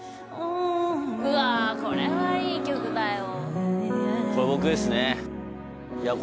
うわあこれはいい曲だよ